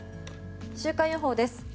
週間予報です。